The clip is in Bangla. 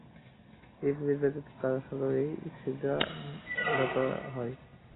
ইবলীস ব্যতীত তারা সকলেই সিজদাবনত হয়।